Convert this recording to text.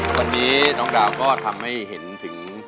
วันนี้น้องดาวก็ทำให้เห็นถึง